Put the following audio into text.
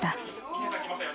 ・二瓶さん来ましたよ。